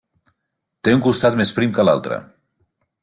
Té un costat més prim que l'altre.